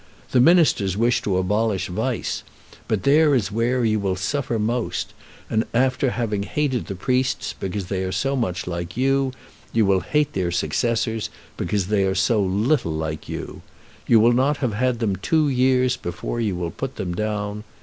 The ministers wish to abolish vice, but there is where you will suffer most, and after having hated the priests because they are so much like you, you will hate their successors because they are so little like you. You will not have had them two years before you will put them down.